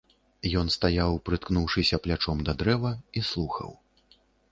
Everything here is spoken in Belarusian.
Ён стаяў, прыткнуўшыся плячом да дрэва, і слухаў.